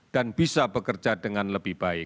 dan bisa bekerja dengan lebih baik